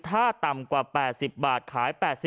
ถ้าต่ำกว่า๘๐บาทขาย๘๐